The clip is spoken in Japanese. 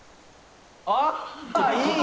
あっいい！